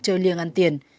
chơi liền ăn tiền